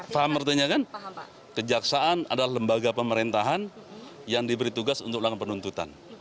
paham artinya kan kejaksaan adalah lembaga pemerintahan yang diberi tugas untuk melakukan penuntutan